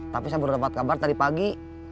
tapi saya baru dapat kabar tadi pagi